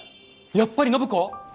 やっぱり暢子？